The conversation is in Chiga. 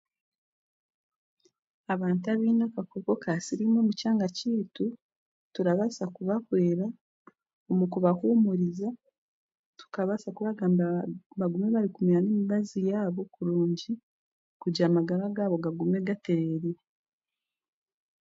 Abantu abaine akakooko ka siriimu omu kyanga kyaitu turabaasa kubahwera mu kubahuumuriza tukabaasa kubagambira ngu babaase kumira emibazi yaabo kurungi kuira amagara gaabo gagume gateereerire.